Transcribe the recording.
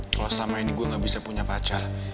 terus selama ini gue gak bisa punya pacar